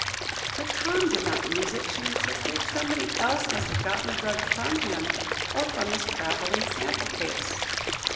"But Tom did not use it," she insisted. "Somebody else must have gotten the drug from him or from his traveling sample case."